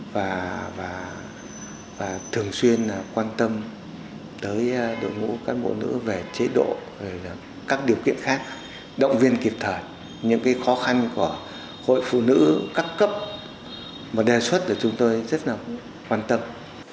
và thường xuyên quan tâm tới đội ngũ cán bộ nữ về chế độ các điều kiện khác động viên kịp thời những khó khăn của hội phụ nữ các cấp một đề xuất là chúng tôi rất là quan tâm